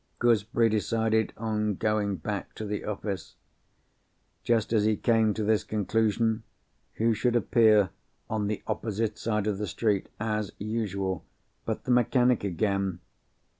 Gooseberry decided on going back to the office. Just as he came to this conclusion, who should appear, on the opposite side of the street as usual, but the mechanic again!